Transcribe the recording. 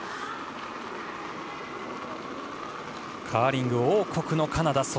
カーリング王国のカナダ。